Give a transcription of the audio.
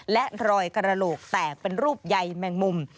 และรอยกระโหลกแตกเป็นรูปใยแมงมุม